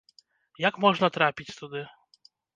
Як можна трапіць туды?